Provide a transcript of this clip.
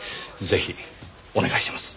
ぜひお願いします。